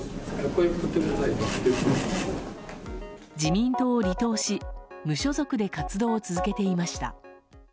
自民党を離党し無所属で活動を続けていました。